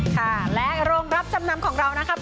ค่ะและโรงรับจำนำของเรานะครับ